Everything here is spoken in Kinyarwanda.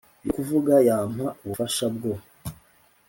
yo kuvuga yampa ubufasha bwo